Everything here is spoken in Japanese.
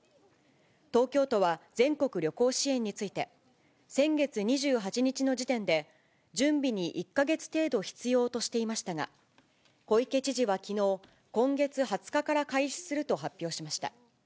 東京都は全国旅行支援について、先月２８日の時点で、準備に１か月程度必要としていましたが、小池知事はきのう、今月２０日から開始すると発表しました。